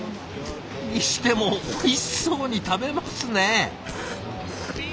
にしてもおいしそうに食べますね。